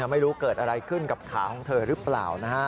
ไม่รู้เกิดอะไรขึ้นกับขาของเธอหรือเปล่า